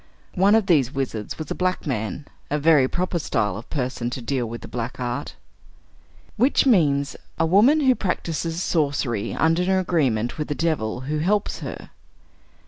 One of these wizards was a black man; a very proper style of person to deal with the black art. Witch means, a woman who practices sorcery under an agreement with the devil, who helps her.